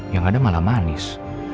yang ada malah manis